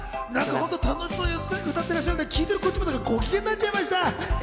本当に楽しそうに歌っていらっしゃるんで聞いてるこっちまでゴキゲンになっちゃいました。